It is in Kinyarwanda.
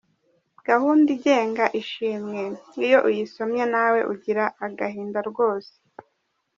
Gahunda igenga ishimwe iyo uyisomye nawe ugira agahinda rwose.